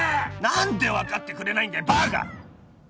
何で分かってくれないんだよバカ！